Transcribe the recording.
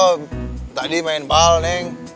oh tadi main bal neng